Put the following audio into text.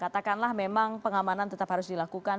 katakanlah memang pengamanan tetap harus dilakukan